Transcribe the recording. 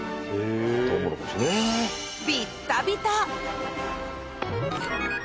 ビッタビタ！